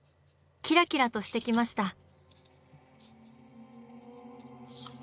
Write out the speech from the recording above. キラキラとしてきました。